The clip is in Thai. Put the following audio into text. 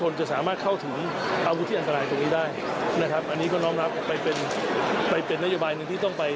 และการเข้าถึงอาวุธอื่นได้รักกลุ่ม